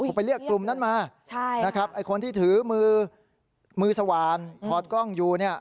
ผมไปเรียกกลุ่มนั้นมาคนที่ถือมือสวรรค์พอร์ตกล้องอยู่เนี่ย